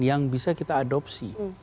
yang bisa kita adopsi